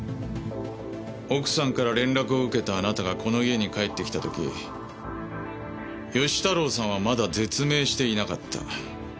奥さんから連絡を受けたあなたがこの家に帰ってきた時義太郎さんはまだ絶命していなかった。